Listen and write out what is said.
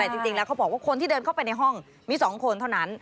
แต่จริงแล้วเขาบอกว่าคนที่เดินเข้าไปในห้องมี๒คนเท่านั้น